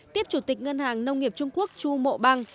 tiếp chủ tịch ngân hàng nông nghiệp trung quốc chu mộ bang